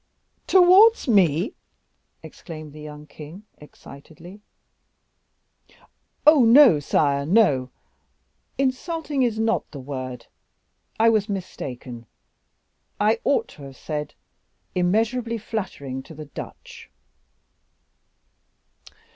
"Towards me?" exclaimed the young king, excitedly. "Oh, no! sire, no; insulting is not the word; I was mistaken, I ought to have said immeasurably flattering to the Dutch."